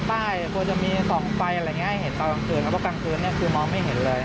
ให้เห็นตอนกลางคืนแต่กลางคืนคือมองไม่เห็นเลย